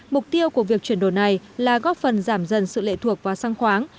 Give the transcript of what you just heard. mục tiêu của việc chuyển đổi này là góp phần giảm dần sự lệ thuộc vào sang khoáng